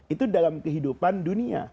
itu dalam kehidupan dunia